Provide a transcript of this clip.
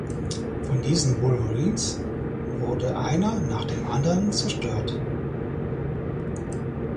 Von diesen "Wolverines" wurde einer nach dem anderen zerstört.